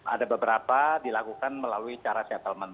ada beberapa dilakukan melalui cara settlement